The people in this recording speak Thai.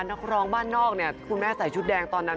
นักร้องบ้านนอกเนี่ยคุณแม่ใส่ชุดแดงตอนนั้น